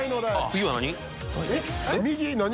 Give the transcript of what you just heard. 次は何？